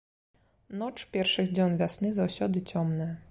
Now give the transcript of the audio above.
Ноч першых дзён вясны заўсёды цёмная.